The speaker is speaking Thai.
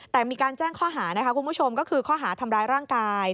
แต่มีการแจ้งข้อหานะคะคุณผู้ชมก็คือข้อหาทำร้ายร่างกาย